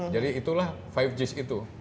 jadi itulah lima g itu